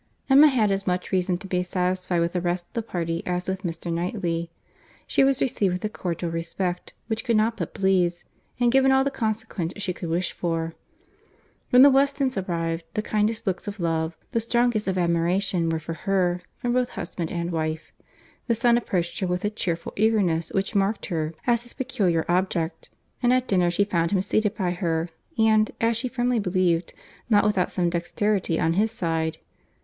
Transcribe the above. Emma had as much reason to be satisfied with the rest of the party as with Mr. Knightley. She was received with a cordial respect which could not but please, and given all the consequence she could wish for. When the Westons arrived, the kindest looks of love, the strongest of admiration were for her, from both husband and wife; the son approached her with a cheerful eagerness which marked her as his peculiar object, and at dinner she found him seated by her—and, as she firmly believed, not without some dexterity on his side.